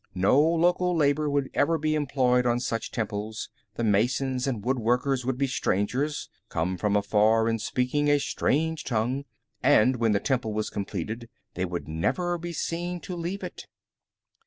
No local labor would ever be employed on such temples; the masons and woodworkers would be strangers, come from afar and speaking a strange tongue, and when the temple was completed, they would never be seen to leave it.